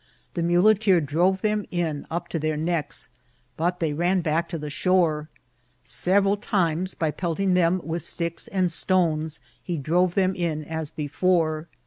The muleteer drove them in up to their necks, but they ran back to the shore. Several times, by pelt ing them with sticks and stones, he drove them in as before.